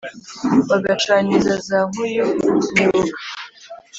bagacaniza za nkuyu mw'ibúga